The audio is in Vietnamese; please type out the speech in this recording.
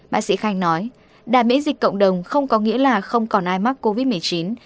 bác sĩ khanh nói đà miễn dịch cộng đồng không có nghĩa là không còn ai mắc covid một mươi chín